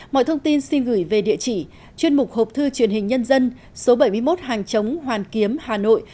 mọi thông tin xin gửi về địa chỉ chuyên mục hộp thư truyền hình nhân dân số bảy mươi một hàng chống hoàn kiếm hà nội